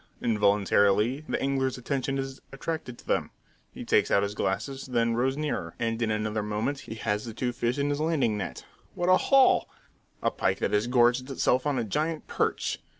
Involuntarily the angler's attention is attracted to them. He takes out his glasses, then rows nearer; and in another moment he has the two fish in his landing net. What a haul! A pike that has gorged itself on a giant perch!